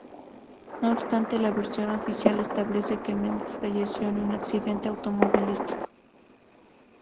No obstante, la versión oficial establece que Mendes falleció en un accidente automovilístico.